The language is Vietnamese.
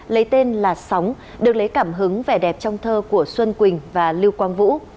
lấy tên là sóng được lấy cảm hứng vẻ đẹp trong thơ của xuân quỳnh và lưu quang vũ